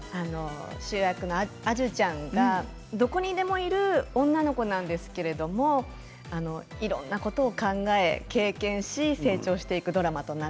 主役の彩珠ちゃんがどこにでもいる女の子なんですけれどいろんなことを考えて経験して成長していくドラマです。